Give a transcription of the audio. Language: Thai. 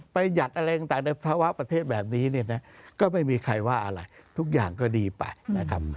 หยัดอะไรต่างในภาวะประเทศแบบนี้เนี่ยนะก็ไม่มีใครว่าอะไรทุกอย่างก็ดีไปนะครับ